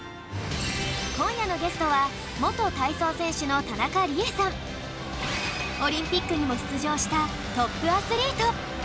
こんやのゲストはオリンピックにもしゅつじょうしたトップアスリート。